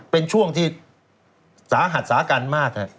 เป็นช่วงที่สาหัสสากันมาก